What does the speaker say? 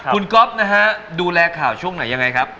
คุณก๊อฟนะฮะดูแลข่าวช่วงไหนยังไงครับ